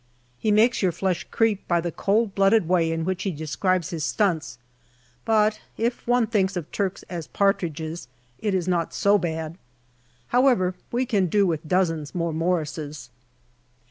He makes your flesh creep by the cold blooded way in which he describes his stunts, but if one thinks of Turks as partridges it is not so bad. However, we can do with dozens more Morrises.